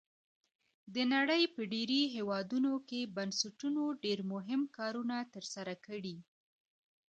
د نړۍ په ډیری هیوادونو کې بنسټونو ډیر مهم کارونه تر سره کړي.